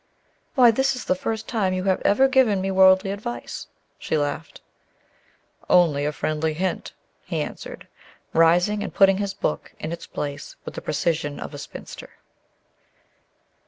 "Why, this is the first time you have ever given me worldly advice," she laughed. "Only a friendly hint," he answered, rising and putting his book in its place with the precision of a spinster.